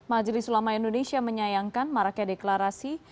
majelis ulama indonesia menyayangkan maraknya deklarasi